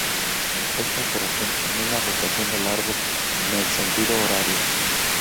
Esta operación en una rotación del árbol en el sentido horario.